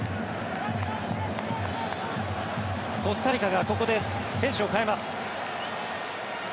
コスタリカがここで選手を代えます。